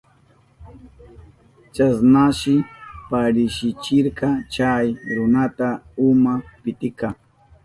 Chasnashi parisichirka chay runata uma pitika.